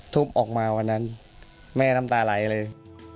ออกมาวันนั้นแม่น้ำตาไหลเลย